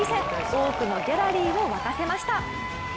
多くのギャラリーを沸かせました。